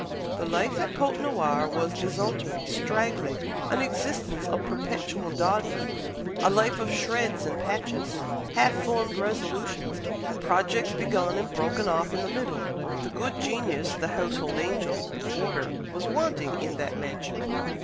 The life at Côtenoir was desultory, straggling; an existence of perpetual dawdling; a life of shreds and patches, half formed resolutions, projects begun and broken off in the middle. The good genius, the household angel, order, was wanting in that mansion.